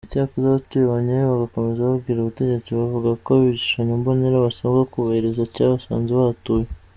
Icyakora abatuye Bannyahe bagakomeza babwira ubutegetsi bavuga ko igishushanyo mbonera basabwa kubahiriza cyabasanze bahatuye.